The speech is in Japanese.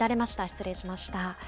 失礼しました。